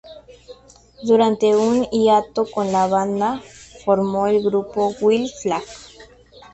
Durante un hiato con la banda, formó el grupo Wild Flag.